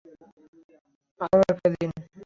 আরো একটা দিন।